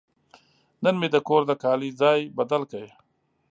نن مې د کور د کالي ځای بدل کړ.